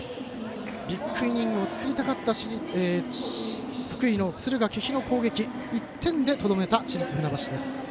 ビッグイニングを作りたかった福井の敦賀気比の攻撃１点でとどめた、市立船橋です。